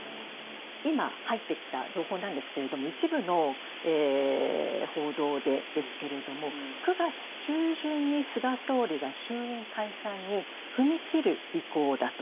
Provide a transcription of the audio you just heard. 今入ってきた情報なんですけれども、一部の報道でですけれども、９月中旬に菅総理が衆院解散に踏み切る意向だと。